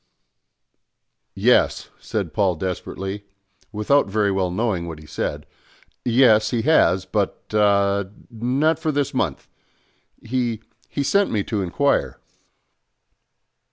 "Yes," said Paul desperately, without very well knowing what he said, "yes, he has, but ah, not for this month; he he sent me to inquire."